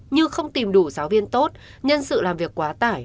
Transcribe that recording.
như không tìm đủ giáo viên tốt nhân sự làm việc quá tải